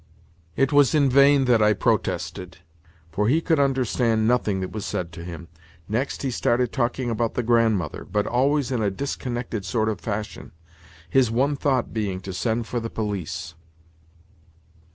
It was in vain that I protested, for he could understand nothing that was said to him, Next he started talking about the Grandmother, but always in a disconnected sort of fashion—his one thought being to send for the police.